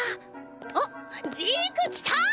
あっジーク来た！